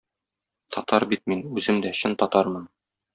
Татар бит мин, үзем дә чын татармын.